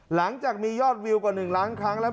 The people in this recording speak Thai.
หลังจากมียอดวิวกว่า๑ล้านครั้งแล้ว